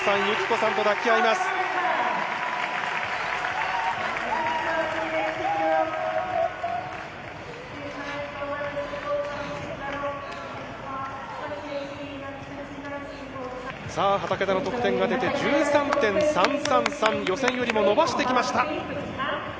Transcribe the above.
さあ、畠田の得点が出て、１３．３３３、予選よりも伸ばしてきました。